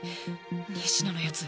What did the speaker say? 仁科のやつ